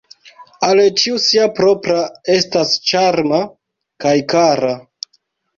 Al ĉiu sia propra estas ĉarma kaj kara.